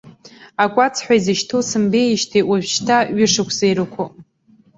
Акәац ҳәа изышьҭоу сымбеижьҭеи ожәшьҭа ҩышықәса ирықәуп.